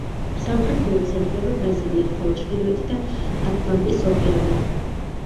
სამხრეთიდან ესაზღვრება ბრაზილია, ხოლო ჩრდილოეთიდან ატლანტის ოკეანე.